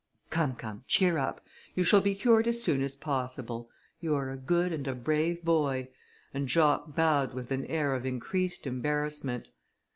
"Come, come, cheer up, you shall be cured as soon as possible. You are a good and a brave boy;" and Jacques bowed with an air of increased embarrassment.